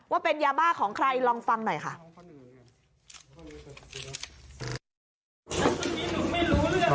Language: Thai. ว่าเป็นยาบ้าของใครลองฟังหน่อยค่ะ